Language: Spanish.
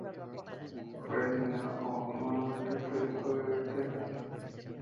Fue designado como un Monumento Histórico de de Texas.